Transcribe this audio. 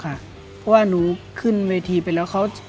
เพราะว่าหนูขึ้นเวทีไปแล้วเขา